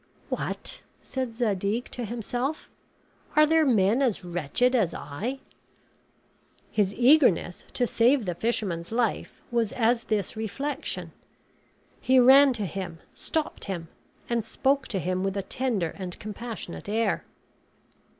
"What!" said Zadig to himself, "are there men as wretched as I?" His eagerness to save the fisherman's life was as this reflection. He ran to him, stopped him, and spoke to him with a tender and compassionate air.